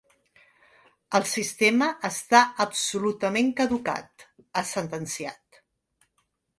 El sistema està absolutament caducat, ha sentenciat.